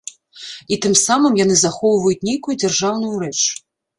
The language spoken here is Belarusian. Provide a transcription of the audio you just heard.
І тым самым яны захоўваюць нейкую дзяржаўную рэч.